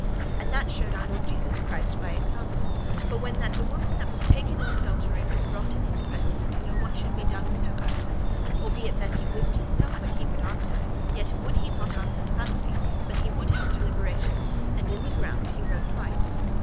And that shewed our Lord Jesus Christ by example; for when that the woman that was taken in adultery was brought in his presence to know what should be done with her person, albeit that he wist well himself what he would answer, yet would he not answer suddenly, but he would have deliberation, and in the ground he wrote twice.